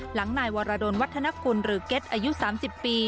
หลังนายวรดลวัฒนกุลหรือเก็ตอายุ๓๐ปี